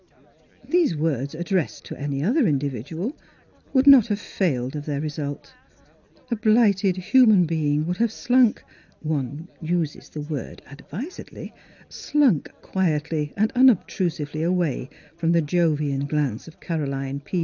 These words addressed to any other in dividual would not have failed of their result. A blighted human being would have slunk — one uses the word advisedly — slunk quietly and unobtrusively away from the Jovian glance of Caroline P.